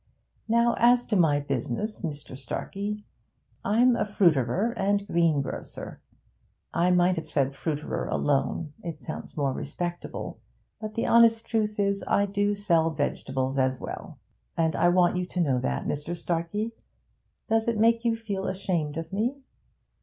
'Now, as to my business, Mr. Starkey. I'm a fruiterer and greengrocer. I might have said fruiterer alone; it sounds more respectable, but the honest truth is, I do sell vegetables as well, and I want you to know that, Mr. Starkey. Does it make you feel ashamed of me?'